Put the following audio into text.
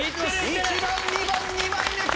１番２番２枚抜き！